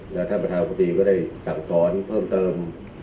แล้วท่านประธานบดีก็ได้สั่งสอนเพิ่มเติม